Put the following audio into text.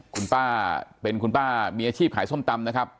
คุณป้าเป็นคุณป้ามีอาชีพขายส้มตำนะครับ